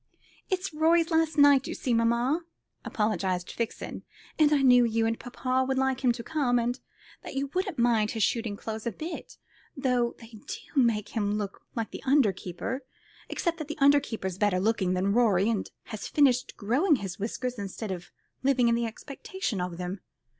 "It was Rorie's last night, you see, mamma," apologised Vixen, "and I knew you and papa would like him to come, and that you wouldn't mind his shooting clothes a bit, though they do make him look like the under keeper, except that the under keeper's better looking than Rorie, and has finished growing his whiskers, instead of living in the expectation of them."